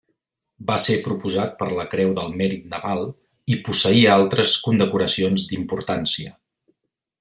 Va ser proposat per la creu del Mèrit Naval i posseïa altres condecoracions d'importància.